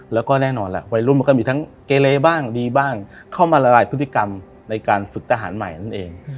แล้วก็แน่นอนล่ะวัยรุ่นมันก็มีทั้งเกเลบ้างดีบ้างเข้ามาละลายพฤติกรรมในการฝึกทหารใหม่นั่นเอง